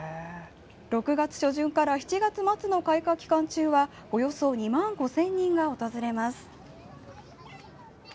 ６月初旬から７月末の開花期間中はおよそ２万５０００人が訪れます。